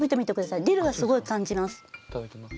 いただきます。